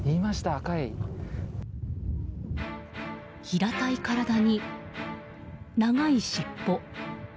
平たい体に、長い尻尾。